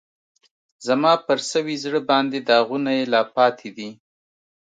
زما پر سوي زړه باندې داغونه یې لا پاتی دي